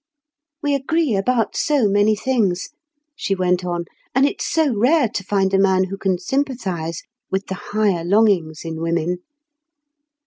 "We agree about so many things," she went on; "and it's so rare to find a man who can sympathise with the higher longings in women."